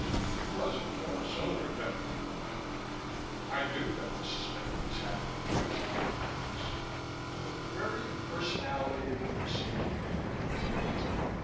It was, of course, only a medical formality. I knew that the suspendees had to be nude in their racks. But the very impersonality of the proceeding made it ugly.